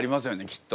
きっと。